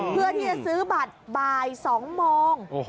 เพื่อที่จะซื้อบัตรบ่าย๒โมง